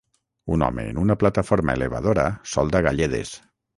Un home en una plataforma elevadora solda galledes.